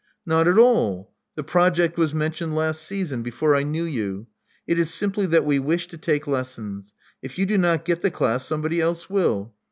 '*Not at all. The project was mentioned last season, before I knew you. It is simply that we wish to take lessons. If you do not get the class somebody else will.